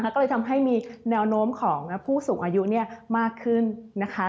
ก็เลยทำให้มีแนวโน้มของผู้สูงอายุมากขึ้นนะคะ